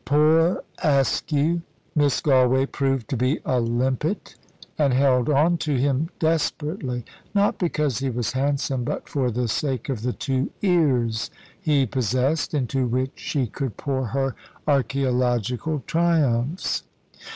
Poor Askew! Miss Galway proved to be a limpet, and held on to him desperately, not because he was handsome, but for the sake of the two ears he possessed, into which she could pour her archæological triumphs.